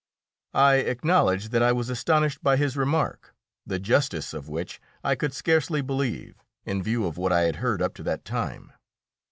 I acknowledge that I was astonished by his remark, the justice of which I could scarcely believe, in view of what I had heard up to that time.